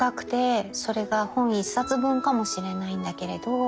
それが本１冊分かもしれないんだけれど。